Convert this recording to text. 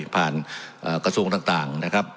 ผ่านกระทรวงต่าง